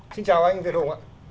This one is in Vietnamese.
xin chào anh việt hùng ạ